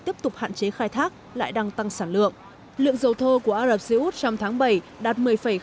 tiếp tục hạn chế khai thác lại đang tăng sản lượng lượng dầu thô của ả rập xê út trong tháng bảy đạt một mươi